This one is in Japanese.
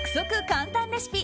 簡単レシピ